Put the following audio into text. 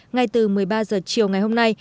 ngay từ một mươi ba h chiều ngày hôm nay